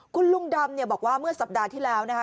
คุณลุงดำเนี่ยบอกว่าเมื่อสัปดาห์ที่แล้วนะคะ